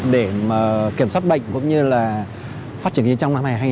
để kiểm soát bệnh cũng như là phát triển như trong năm hai nghìn hai mươi hai